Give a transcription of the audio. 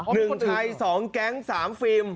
หนึ่งชายสองแก๊งสามฟิล์ม